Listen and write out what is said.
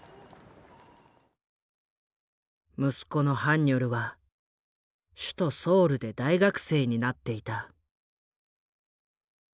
息子のハンニョルは首都ソウルで大学生になっていた。